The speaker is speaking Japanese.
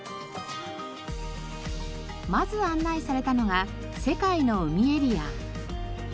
まず案内されたのが世界の海エリア。